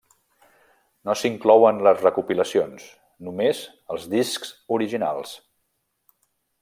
No s'inclouen les recopilacions, només els discs originals.